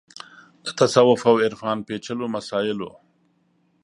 د تصوف او عرفان پېچلو مسایلو